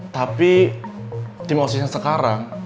tapi tim oss yang sekarang